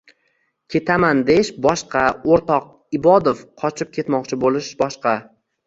— «Ketaman» deyish boshqa, o‘rtoq Ibodov, qochib ketmoqchi bo‘lish boshqa!